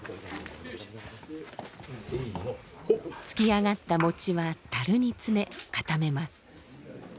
つきあがった餅は樽に詰め固めます。